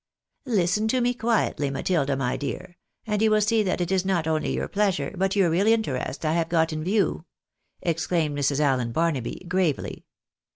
" Listen to me quietly, Matilda, my dear, and you will see that it is not only your pleasure, but your real interest I have got in view," exclaimed ISIrs. Allen Barnaby, gravely.